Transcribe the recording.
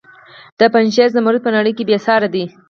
د پنجشیر زمرد په نړۍ کې بې ساري دي